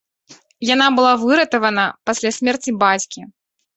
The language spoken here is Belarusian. Яна была выратавана пасля смерці бацькі.